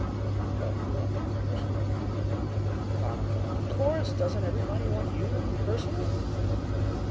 "But you want me to be personal?" Pollen laughed. "Of course! Doesn't everybody want you to be personal?"